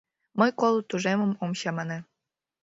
Мый коло тӱжемым ом чамане.